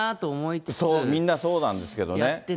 つみんなそうなんですけどね。